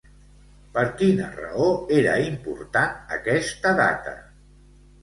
Per quina raó era important aquesta data?